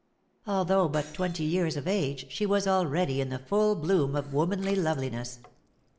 Although but twenty years of age she was already in the full bloom of womanly loveliness.